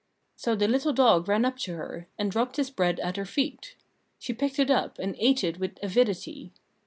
So the little dog ran up to her, and dropped his bread at her feet; she picked it up, and ate it with avidity.